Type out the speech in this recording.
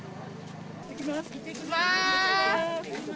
いってきます。